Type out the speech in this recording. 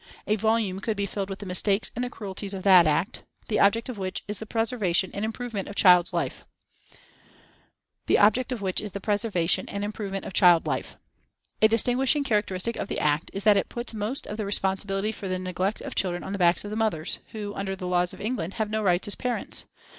A volume could be filled with the mistakes and the cruelties of that Act, the object of which is the preservation and improvement of child life. A distinguishing characteristic of the Act is that it puts most of the responsibility for neglect of children on the backs of the mothers, who, under the laws of England, have no rights as parents.